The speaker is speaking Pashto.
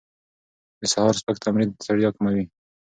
د سهار سپک تمرین ستړیا کموي.